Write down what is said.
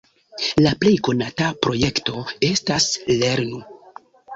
La plej konata projekto estas "lernu!".